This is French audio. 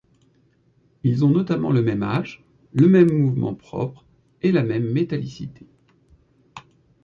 Ils ont notamment le même âge, le même mouvement propre et la même métallicité.